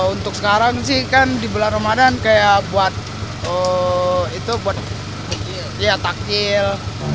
untuk sekarang sih kan di bulan ramadhan kayak buat takjil